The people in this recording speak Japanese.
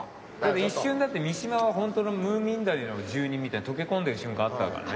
一瞬だって三島はホントのムーミン谷の住人みたいに溶け込んでる瞬間あったからね。